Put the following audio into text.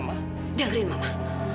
ma dengerin mama